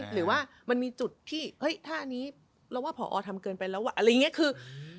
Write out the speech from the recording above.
หรือว่ามันมีจุดที่เฮ้ยท่านี้เราว่าผอทำเกินไปแล้วอะไรอย่างนี้คือ